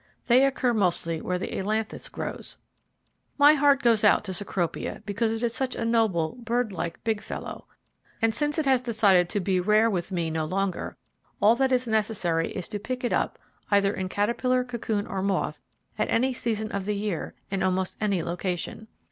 They occur mostly where the ailanthus grows. My heart goes out to Cecropia because it is such a noble, birdlike, big fellow, and since it has decided to be rare with me no longer, all that is necessary is to pick it up, either in caterpillar, cocoon, or moth, at any season of the year, in almost any location.